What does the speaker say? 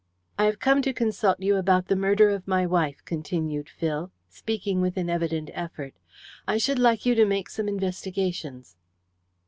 "I have come to consult you about the murder of my wife," continued Phil, speaking with an evident effort. "I should like you to make some investigations."